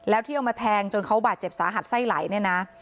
แล้วที่เอามาแทงจนเขาบาดเจ็บสาหัสไส้ไหลเนี่ยนะ